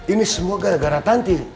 ini semua gara gara tante